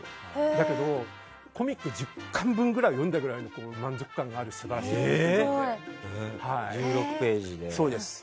だけどコミック１０巻分ぐらいを読んだぐらい満足感がある素晴らしいもので。